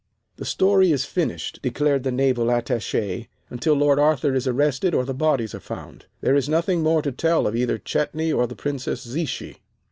"The story is finished," declared the Naval Attache; "until Lord Arthur is arrested or the bodies are found there is nothing more to tell of either Chetney or the Princess Zichy."